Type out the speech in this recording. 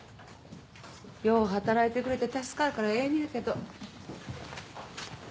よう働いてくれて助かるからええねやけど。